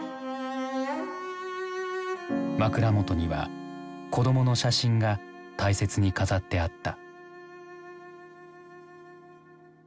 枕元には子どもの写真が大切に飾ってあった。